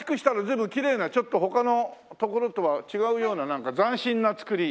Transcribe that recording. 随分きれいなちょっと他のところとは違うようななんか斬新な造り。